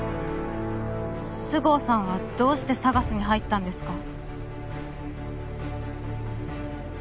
菅生さんはどうしてＳＡＧＡＳに入ったんですか？